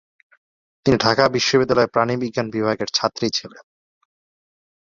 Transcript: তিনি ঢাকা বিশ্ববিদ্যালয়ের প্রাণিবিজ্ঞান বিভাগের ছাত্রী ছিলেন।